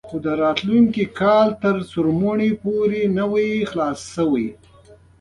خو د راتلونکي کال تر اوړي پورې لا نه وو خوشي شوي.